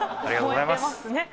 燃えてますね。